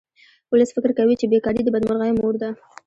ولس فکر کوي چې بې کاري د بدمرغیو مور ده